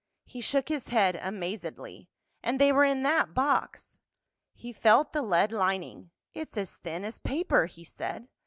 He shook his head amazedly. "And they were in that box!" He felt the lead lining. "It's as thin as paper," he said.